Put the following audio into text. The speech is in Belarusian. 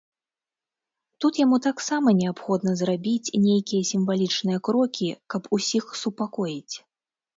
Тут яму таксама неабходна зрабіць нейкія сімвалічныя крокі, каб усіх супакоіць.